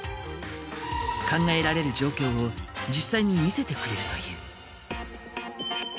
考えられる状況を実際に見せてくれるという。